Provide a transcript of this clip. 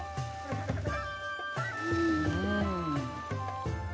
うん。